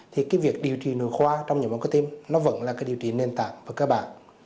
thì việc điều trị nồi khoa trong nhồi máu cơ tim vẫn là điều trị nền tảng và cơ bản